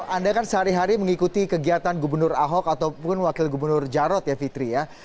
anda kan sehari hari mengikuti kegiatan gubernur ahok ataupun wakil gubernur jarot ya fitri ya